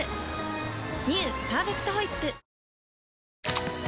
「パーフェクトホイップ」